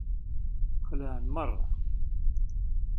Xelεen merra.